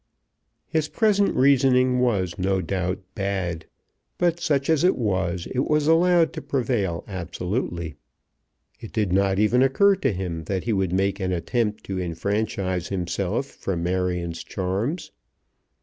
His present reasoning was, no doubt, bad, but such as it was it was allowed to prevail absolutely. It did not even occur to him that he would make an attempt to enfranchise himself from Marion's charms.